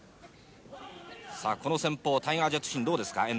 この戦法タイガー・ジェットシンどうですか？